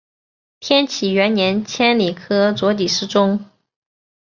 天启元年迁礼科左给事中。